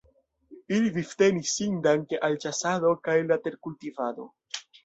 Ili vivtenis sin danke al ĉasado kaj la terkultivado.